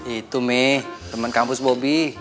itu mi temen kampus bobby